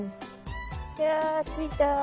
いやついた。